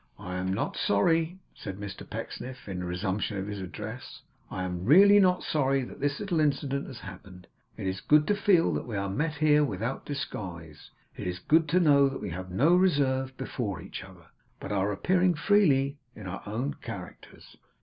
'I am not sorry,' said Mr Pecksniff in resumption of his address, 'I am really not sorry that this little incident has happened. It is good to feel that we are met here without disguise. It is good to know that we have no reserve before each other, but are appearing freely in our own characters.